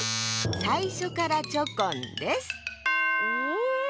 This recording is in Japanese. さいしょからチョコンです。え？